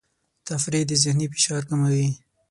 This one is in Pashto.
تفریح د ذهني فشار کموي.